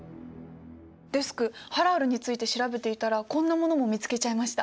デスクハラールについて調べていたらこんなものも見つけちゃいました。